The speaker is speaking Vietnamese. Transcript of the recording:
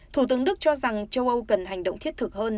thủ tướng đức cho rằng châu âu cần hành động thiết thực hơn